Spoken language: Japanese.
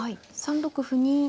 ３六歩に。